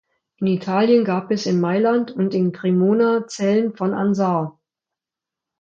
In Italien gab es in Mailand und in Cremona Zellen von Ansar.